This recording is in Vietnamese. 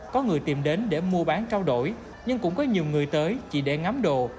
có người tìm đến để mua bán trao đổi nhưng cũng có nhiều người tới chỉ để ngắm đồ